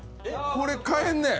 これを替えんねん！